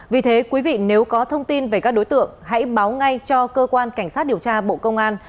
vì thế quý vị nếu có thông tin về các đối tượng hãy báo ngay cho cơ quan cảnh sát điều tra bộ công an